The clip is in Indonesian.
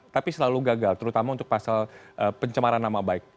tapi selalu gagal terutama untuk pasal pencemaran nama baik